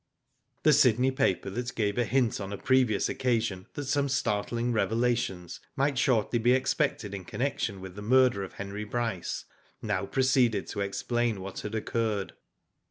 The Sydney paper that gave a hiiit on a previous occasion that some startling revelations might shortly be expected in connection with the murdar of Henry Bryce, now proceeded to explain what had occurred.